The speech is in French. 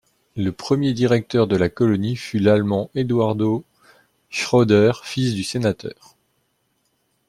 Le premier directeur de la colonie fut l'allemand Eduardo Schroeder, fils du sénateur.